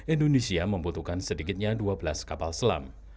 indonesia membutuhkan sedikitnya dua belas kapal selam